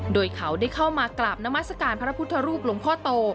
โดยเขาได้เข้ามากราบนามัศกาลพระพุทธรูปหลวงพ่อโต